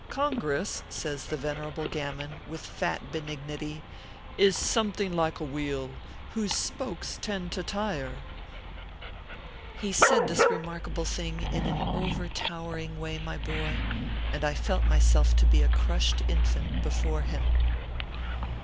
Congress/ 7 says the Venerable Gammon,, with fat benignity,, " is something like a wheel, whose spokes tend to tire" He said this remarkable thing in an overtowering way, my boy, and I felt myself to be a crushed infant before him.